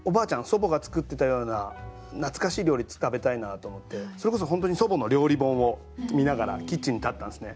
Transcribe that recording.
祖母が作ってたような懐かしい料理食べたいなと思ってそれこそ本当に祖母の料理本を見ながらキッチンに立ったんですね。